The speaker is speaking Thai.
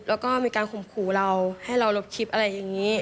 แล้วก็มีการข่มขู่เราให้เราลบคลิปอะไรอย่างนี้